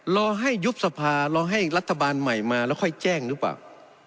รอให้ยุบสภารอให้รัฐบาลใหม่มาแล้วค่อยแจ้งหรือเปล่า